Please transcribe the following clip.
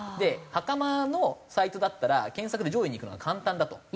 袴のサイトだったら検索で上位にいくのは簡単だと。